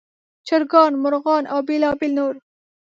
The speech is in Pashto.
چرګان، مرغان او بېلابېل نور.